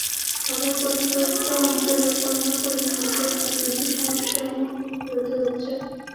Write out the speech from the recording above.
আবার প্রত্যন্ত অঞ্চলে পণ্য পরিবহন করতে বেশি সমস্যার মুখোমুখি হতে হচ্ছে।